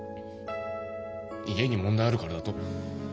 「家に問題あるからだ」と。